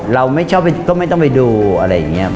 เราไม่ชอบก็ไม่ต้องไปดูอะไรอย่างนี้